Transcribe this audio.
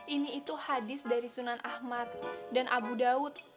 ini itu hadis dari sunan ahmad dan abu daud